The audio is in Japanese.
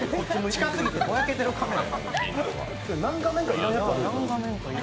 近すぎて、ぼやけすぎてる、カメラ。